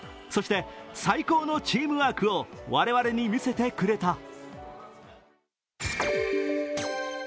そして、最高のチームワークを我々に見せてくれた。